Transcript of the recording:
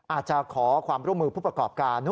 อาจจะขอความร่วมมือผู้ประกอบการ